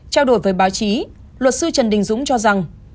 trao đổi với báo chí luật sư trần đình dũng cho rằng